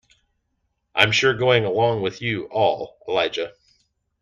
I'm sure going along with you all, Elijah.